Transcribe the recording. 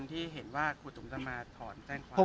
ที่เห็นว่าครูตุ๋มจะมาถอนแจ้งความ